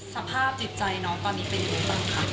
สภาพจิตใจน้องตอนนี้เป็นยังไงบ้างคะ